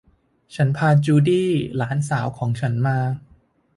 ฉันพาจูดี้ หลานสาวของฉันมา